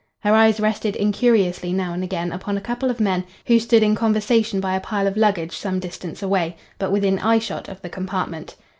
Her eyes rested incuriously now and again upon a couple of men who stood in conversation by a pile of luggage some distance away, but within eyeshot of the compartment.